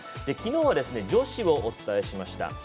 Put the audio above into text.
きのうは女子をお伝えしました。